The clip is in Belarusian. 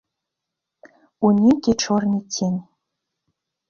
У нейкі чорны цень.